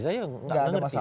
saya tidak mengerti